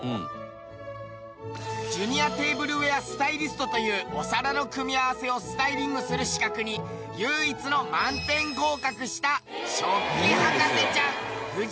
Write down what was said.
ジュニア・テーブルウェアスタイリストというお皿の組み合わせをスタイリングする資格に唯一の満点合格した食器博士ちゃん藤本唯南ちゃんだ！